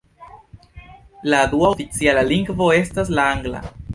La dua oficiala lingvo estas la angla.